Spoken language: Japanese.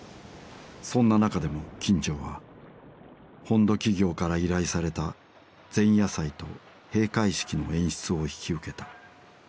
そんな中でも金城は本土企業から依頼された前夜祭と閉会式の演出を引き受けた。